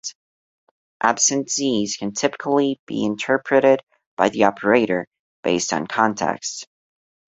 Absent "Z"s can typically be interpreted by the operator, based on context.